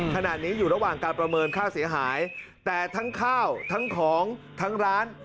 ขณะนี้อยู่ระหว่างการประเมินค่าเสียหายแต่ทั้งข้าวทั้งของทั้งร้าน